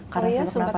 karena sesak nafas